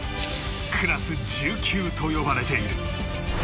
クラス１９と呼ばれている。